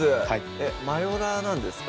えっマヨラーなんですか？